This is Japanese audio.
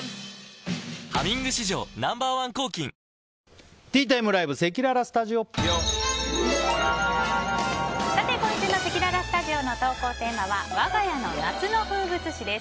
「ハミング」史上Ｎｏ．１抗菌今週のせきららスタジオの投稿テーマはわが家の夏の風物詩です。